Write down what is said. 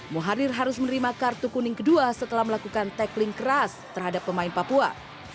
muhardir harus menerima kartu kuning kedua setelah melakukan tackling keras terhadap pemain papua